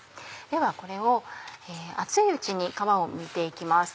ではこれを熱いうちに皮をむいて行きます。